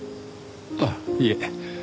あっいえ。